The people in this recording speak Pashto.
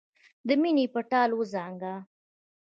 د مینې په ټال وزنګاوه.